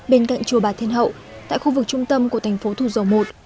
bên cạnh chùa bà thiên hậu tại khu vực trung tâm của thành phố thù dầu một